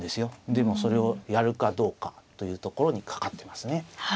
でもそれをやるかどうかというところにかかってますね。